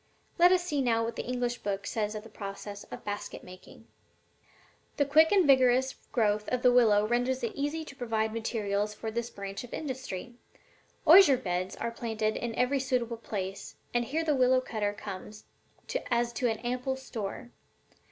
Let us see now what this English book says of the process of basket making: "'The quick and vigorous growth of the willow renders it easy to provide materials for this branch of industry. Osier beds are planted in every suitable place, and here the willow cutter comes as to an ample store.